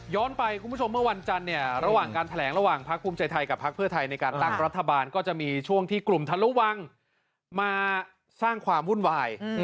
ไปคุณผู้ชมเมื่อวันจันทร์เนี่ยระหว่างการแถลงระหว่างพักภูมิใจไทยกับพักเพื่อไทยในการตั้งรัฐบาลก็จะมีช่วงที่กลุ่มทะระวังมาสร้างความวุ่นวาย